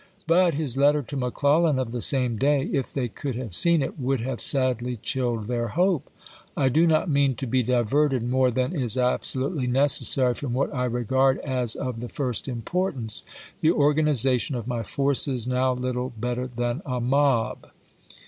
But his letter to McClellan of the same day, if they could have seen it, would have sadly chilled their hope :" I do not mean to be diverted more than is Buell tb absolutely necessary from what I regard as of the i^'c"*;"sfii. first importance — the organization of my forces, vii!!p. «ej; now little better than a mob."